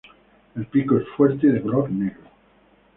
El pico es fuerte y de color negro.